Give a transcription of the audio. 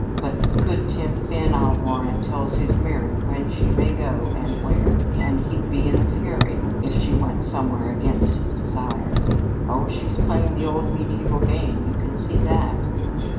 But good Tim Finn, I'll warrant, tells his Mary when she may go and where, and he'd be in a fury if she went somewhere against his desire. Oh, she's playing the old medieval game, you can see that!"